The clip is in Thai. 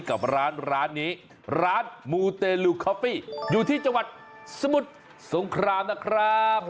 กับร้านร้านนี้ร้านมูเตลูคอฟฟี่อยู่ที่จังหวัดสมุทรสงครามนะครับ